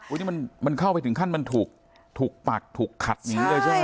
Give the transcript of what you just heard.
นี่มันเข้าไปถึงขั้นมันถูกปักถูกขัดหนีเลยใช่ไหม